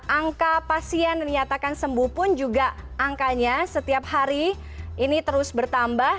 angka pasien yang dinyatakan sembuh pun juga angkanya setiap hari ini terus bertambah